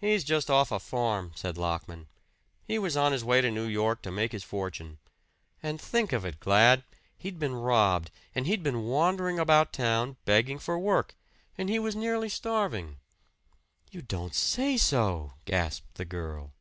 "He's just off a farm," said Lockman. "He was on his way to New York to make his fortune. And think of it, Glad, he'd been robbed, and he'd been wandering about town begging for work, and he was nearly starving." "You don't say so!" gasped the girl.